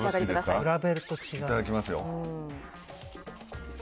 いただきますよ。